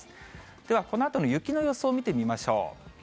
ではこのあとの雪の予想を見てみましょう。